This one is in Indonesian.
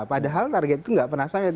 padahal target itu nggak pernah sampai